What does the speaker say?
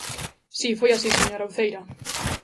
Si, foi así, señora Uceira.